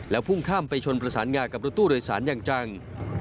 พุ่งข้ามไปชนประสานงากับรถตู้โดยสารอย่างจัง